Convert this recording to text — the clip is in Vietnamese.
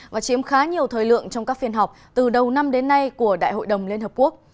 và chiếm khá nhiều thời lượng trong các phiên họp từ đầu năm đến nay của đại hội đồng liên hợp quốc